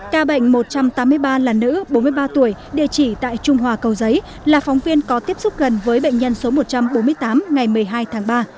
ca bệnh một trăm tám mươi ba là nữ bốn mươi ba tuổi địa chỉ tại trung hòa cầu giấy là phóng viên có tiếp xúc gần với bệnh nhân số một trăm bốn mươi tám ngày một mươi hai tháng ba